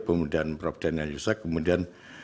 kemudian prof dana yusak kemudian